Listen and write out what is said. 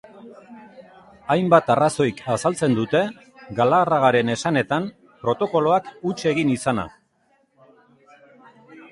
Hainbat arrazoik azaltzen dute, Galarragaren esanetan, protokoloak huts egin izana.